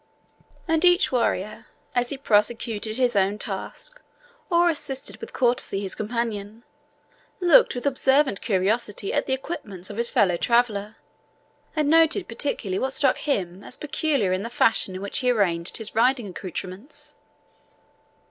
And each warrior, as he prosecuted his own task, or assisted with courtesy his companion, looked with observant curiosity at the equipments of his fellow traveller, and noted particularly what struck him as peculiar in the fashion in which he arranged his riding accoutrements.